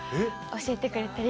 教えてくれたり。